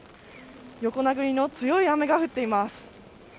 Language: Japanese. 横殴りの強い雨が降っています。